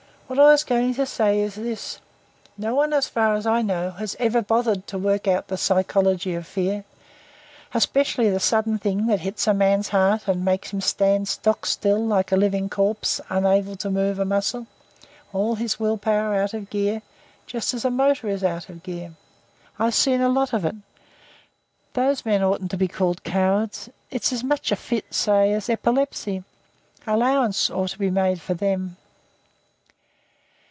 "What I was going to say is this. No one as far as I know has ever bothered to work out the psychology of fear. Especially the sudden thing that hits a man's heart and makes him stand stock still like a living corpse unable to move a muscle all his willpower out of gear just as a motor is out of gear. I've seen a lot of it. Those men oughtn't to be called cowards. It's as much a fit, say, as epilepsy. Allowances ought to made for them."